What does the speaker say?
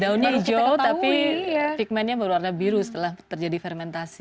daunnya hijau tapi pigmentnya berwarna biru setelah terjadi fermentasi